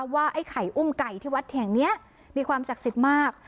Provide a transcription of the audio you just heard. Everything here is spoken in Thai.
ว่าไอ้ไข่อุ้มไก่ที่วัดแห่งนี้มีความศักดิ์สิทธิ์มาก